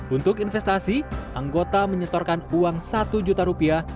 untuk investasi anggota menyetorkan uang satu juta rupiah